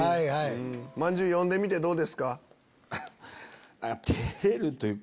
まんじゅう読んでみてどうですか？